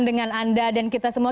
dengan anda dan kita semua